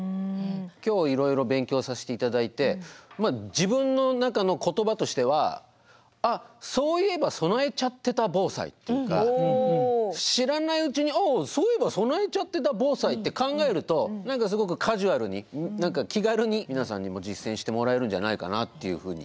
今日いろいろ勉強させて頂いて自分の中の言葉としてはあっ「そういえば備えちゃってた防災」というか知らないうちにああ「そういえば備えちゃってた防災」って考えると何かすごくカジュアルに気軽に皆さんにも実践してもらえるんじゃないかなっていうふうに思いましたね。